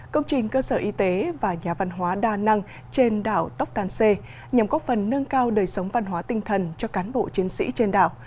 công trình cơ sở y tế và nhà văn hóa đa năng trên đảo tóc tàn xê nhằm góp phần nâng cao đời sống văn hóa tinh thần cho cán bộ chiến sĩ trên đảo